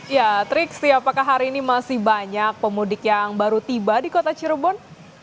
ya triksti apakah hari ini masih banyak pemudik yang baru tiba di kota cirebon